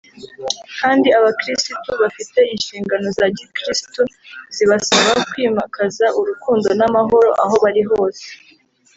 kandi abakirisitu bafite inshingano za gikirisitu zibasaba kwimakaza urukundo n’amahoro aho bari hose